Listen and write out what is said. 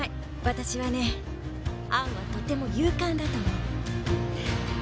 私はねアンはとても勇敢だと思う。